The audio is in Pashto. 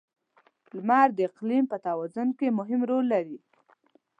• لمر د اقلیم پر توازن کې مهم رول لري.